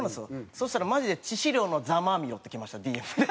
そしたらマジで致死量の「ざまあみろ」ってきましたＤＭで。